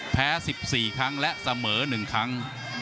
แพ้๑๔ครั้งและเสมอ๑ครั้ง